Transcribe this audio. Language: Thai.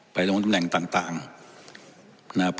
ไปลงจำแหล่งประเภท